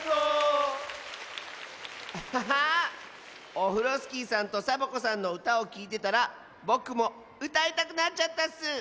オフロスキーさんとサボ子さんのうたをきいてたらぼくもうたいたくなっちゃったッス！